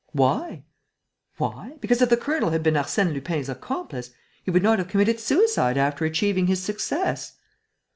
"Why?" "Why? Because, if the colonel had been Arsène Lupin's accomplice, he would not have committed suicide after achieving his success."